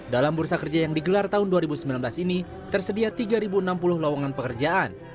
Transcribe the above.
dalam bursa kerja yang digelar tahun dua ribu sembilan belas ini tersedia tiga enam puluh lowongan pekerjaan